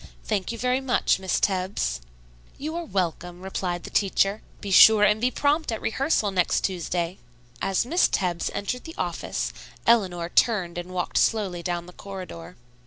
"Thank you very much, Miss Tebbs." "You are welcome," replied the teacher. "Be sure and be prompt at rehearsal next Tuesday." As Miss Tebbs entered the office, Eleanor turned and walked slowly down the corridor.